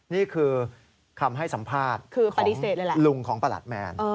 นี่คือคำให้สัมภาษณ์ของลุงของประหลัดแมน